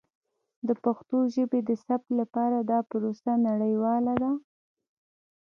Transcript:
د پښتو ژبې د ثبت لپاره دا پروسه نړیواله ده.